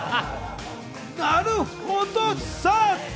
なるほど！